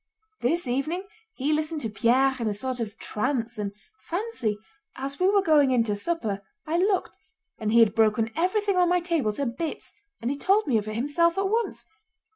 This evening he listened to Pierre in a sort of trance, and fancy—as we were going in to supper I looked and he had broken everything on my table to bits, and he told me of it himself at once!